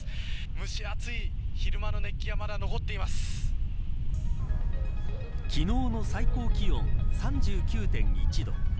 蒸し暑い、昼間の熱気が昨日の最高気温３９．１度。